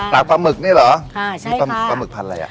ตากปลาหมึกนี่หรอ